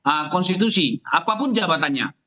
hak konstitusi apapun jabatannya